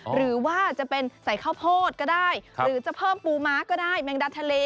หรือว่าจะเป็นใส่ข้าวโพดก็ได้หรือจะเพิ่มปูม้าก็ได้แมงดาทะเล